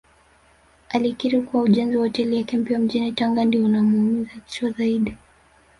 Alikiri kuwa ujenzi wa hoteli yake mpya mjini Tanga ndio unaomuumiza kichwa zaidi